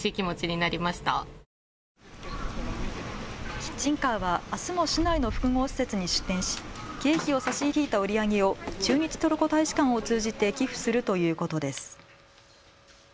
キッチンカーはあすも市内の複合施設に出店し経費を差し引いた売り上げを駐日トルコ大使館を通じて寄付するということです。